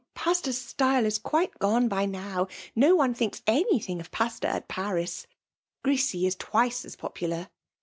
Paflta*s style is quite gone by^ now. No bno thinks: any thing of Pasta at Paris. Grisi is twice as popular.